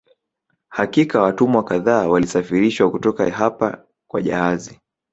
Hakika watumwa kadhaa walisafirishwa kutoka hapa kwa jahazi